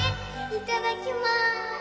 いただきます。